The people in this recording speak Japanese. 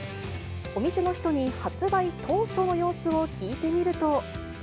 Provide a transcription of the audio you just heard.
お店の人に発売当初の様子を聞いてみると。